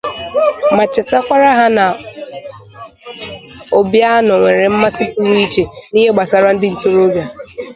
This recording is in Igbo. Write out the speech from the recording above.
ma chetekwara ha na Obianọ nwere mmasị pụrụ iche n'ihe gbasaara ndị ntorobịa